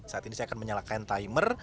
saat ini saya akan menyalakan timer